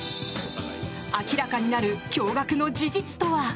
明らかになる驚がくの事実とは。